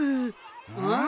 うん？